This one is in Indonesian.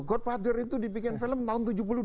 godfather itu dibikin film tahun tujuh puluh dua